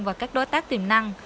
và các đối tác tiềm năng